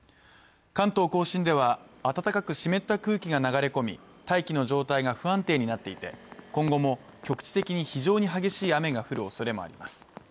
関東甲信では暖かく湿った空気が流れ込み大気の状態が不安定になっていて今後も局地的に非常に激しい雨が降るおそれもあります